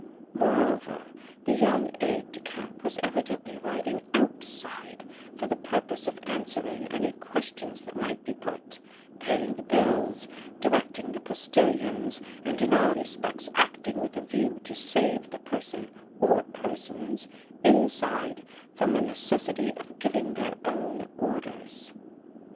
Moreover, the young aide de camp was evidently riding outside for the purpose of answering any questions that might be put, paying the bills, directing the postillions, and in all respects acting with a view to save the person or persons inside from the necessity of giving their own orders.